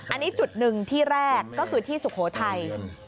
อันนี้จุดหนึ่งที่แรกก็คือที่สุโขทัย